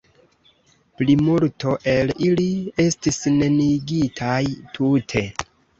Plimulto el ili estis neniigitaj tute.